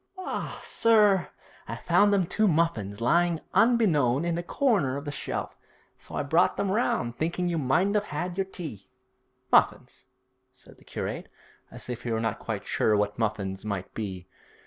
'La, sir, I found them two muffins lying unbeknown in the corner of the shelf, so I brought them round, thinking you mightn't 'ave 'ad your tea.' 'Muffins?' said the curate, as if he were not quite sure what muffins might be.